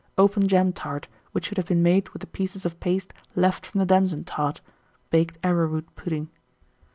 Open jam tart, which should have been made with the pieces of paste left from the damson tart; baked arrowroot pudding.